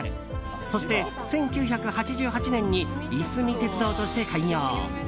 そして１９８８年にいすみ鉄道として開業。